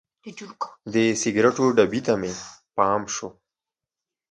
د سګریټو ډبي ته مې پام شو.